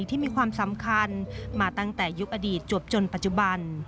ที่มีความสำคัญมาตั้งแต่ยุคอดีตจวบจนปัจจุบัน